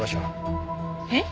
えっ？